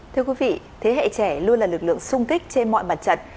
thưa quý vị thế hệ trẻ luôn là lực lượng sung kích trên mọi mặt trận